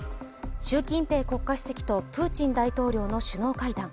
習近平国家主席とプーチン大統領の首脳会談。